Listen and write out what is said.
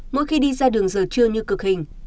mỗi khi đi ra đường giờ trưa như cực hình